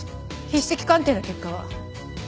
筆跡鑑定の結果は？